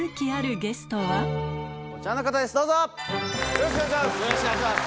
よろしくお願いします！